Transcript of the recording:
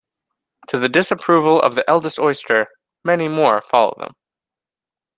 To the disapproval of the eldest oyster, many more follow them.